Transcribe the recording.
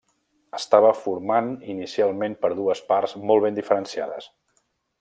Estava formant inicialment per dues parts molt ben diferenciades.